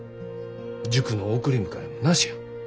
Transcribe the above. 塾の送り迎えもなしや。